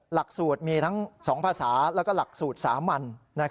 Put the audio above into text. หลักสูตรมีทั้ง๒ภาษาแล้วก็หลักสูตรสามัญ